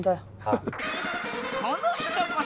この人こそ！